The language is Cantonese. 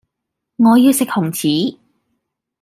我要食紅柿